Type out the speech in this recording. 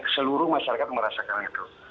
seluruh masyarakat merasakan itu